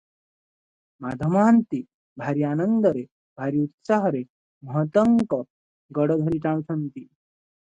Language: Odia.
ମାଧ ମହାନ୍ତି ଭାରି ଆନନ୍ଦରେ, ଭାରି ଉତ୍ସାହରେ ମହନ୍ତଙ୍କ ଗୋଡ଼ ଧରି ଟାଣୁଛନ୍ତି ।